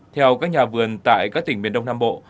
theo các nhà vườn tại các tỉnh miền đông nam bộ